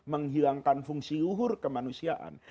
menghilangkan fungsi yuhur kemanusiaan